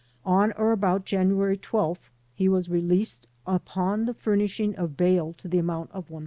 On or about January 12th he was released upon the furnishing of bail to the amount of $1,000.